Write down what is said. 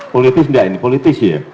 politis enggak ini politis ya